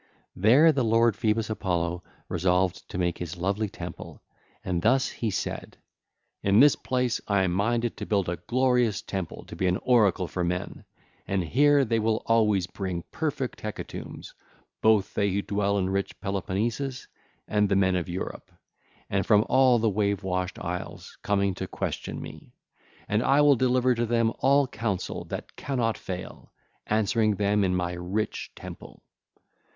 There the lord Phoebus Apollo resolved to make his lovely temple, and thus he said: (ll. 287 293) 'In this place I am minded to build a glorious temple to be an oracle for men, and here they will always bring perfect hecatombs, both they who dwell in rich Peloponnesus and the men of Europe and from all the wave washed isles, coming to question me. And I will deliver to them all counsel that cannot fail, answering them in my rich temple.